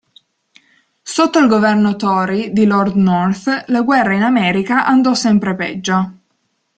Sotto il governo "tory" di Lord North, la guerra in America andò sempre peggio.